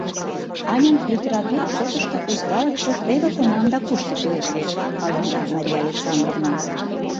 — Анян литератур шотышто усталыкше теве кунам да кушто кӱлеш лиеш, — палемда Мария Александровна.